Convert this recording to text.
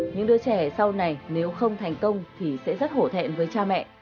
những đứa trẻ sau này nếu không thành công thì sẽ rất hổ thẹn với cha mẹ